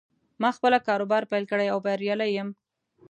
ما خپله کاروبار پیل کړې او بریالی یم